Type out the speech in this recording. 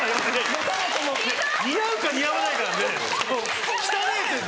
似合うか似合わないかなんで。